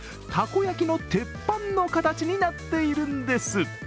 たこ焼きの鉄板の形になっているんです。